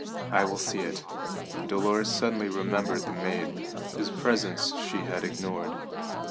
"I will see it." Dolores suddenly remembered the maid, whose presence she had ignored.